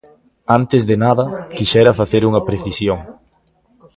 Antes de nada, quixera facer unha precisión.